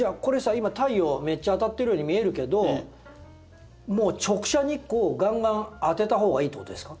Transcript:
今太陽めっちゃ当たってるように見えるけどもう直射日光をがんがん当てたほうがいいってことですか？